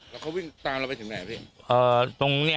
แล้วเขาวิ่งตามเราไปถึงไหนพี่